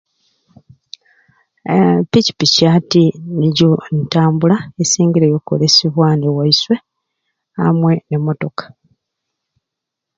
Aa pikipiki ati nijo ntambula esingireyo okkolesebwa ani ewaiswe amwe n'emotoka